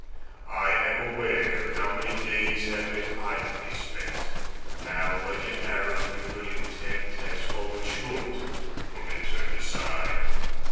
I am aware How many days have been idly spent; How like an arrow the good intent Has fallen short or been turned aside.